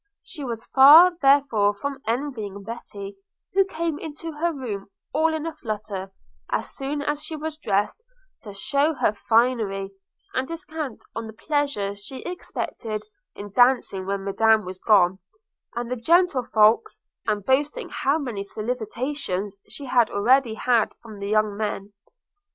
She was far, therefore, from envying Betty, who came into her room all in a flutter, as soon as she was dressed, to shew her finery, and descant on the pleasure she expected in dancing when Madam was gone, and the gentlefolks, and boasting how many solicitations she had already had from the young men.